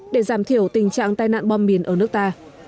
để giảm thiểu tình trạng tai nạn bom mìn ở nước ta